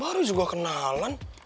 baru juga kenalan